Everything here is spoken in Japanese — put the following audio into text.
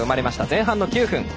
前半の９分。